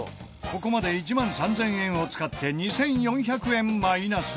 ここまで１万３０００円を使って２４００円マイナス。